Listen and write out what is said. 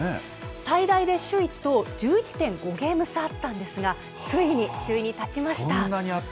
最大で首位と１１．５ゲーム差あったんですが、ついに首位に立ちました。